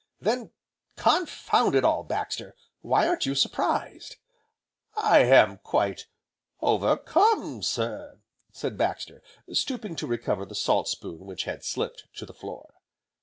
"Then confound it all, Baxter! why aren't you surprised?" "I am quite over come, sir!" said Baxter, stooping to recover the salt spoon which had slipped to the floor.